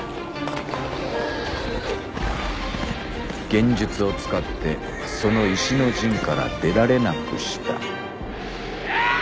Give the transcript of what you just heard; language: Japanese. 幻術を使ってその石の陣から出られなくした。